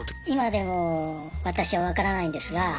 今でも私は分からないんですが。